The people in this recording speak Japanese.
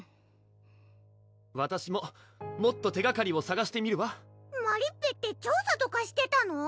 わたしももっと手がかりをさがしてみるわマリッペって調査とかしてたの？